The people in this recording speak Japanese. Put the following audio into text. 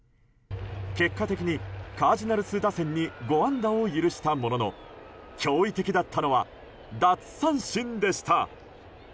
結果的にカージナルス打線に５安打を許したものの驚異的だったのは奪三振でした。